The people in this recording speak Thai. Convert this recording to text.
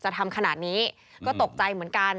ทำขนาดนี้ก็ตกใจเหมือนกัน